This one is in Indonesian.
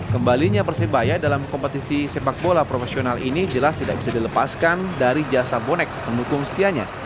kembalinya persebaya dalam kompetisi sepak bola profesional ini jelas tidak bisa dilepaskan dari jasa bonek pendukung setianya